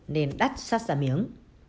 nên đắt sát ra miếng